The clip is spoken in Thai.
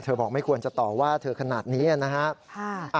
เธอบอกไม่ควรจะตอบว่าเธอขนาดนี้นะฮะ